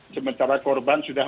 sementara korban sudah